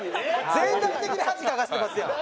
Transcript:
全体的に恥かかせてますやん。